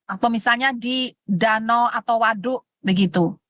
atau misalnya di danau atau waduk begitu